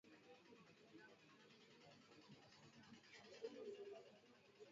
Wanyama wazima kiafya hupata ugonjwa huu wanapogusana na uchafu unaotoka mwilini kama mate mkojo